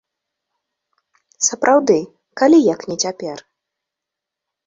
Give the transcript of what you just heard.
Сапраўды, калі як не цяпер?